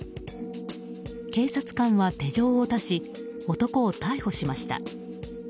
警察官は手錠を出し男を逮捕しました。